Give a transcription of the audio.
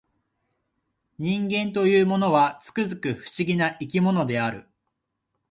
人間というものは、つくづく不思議な生き物である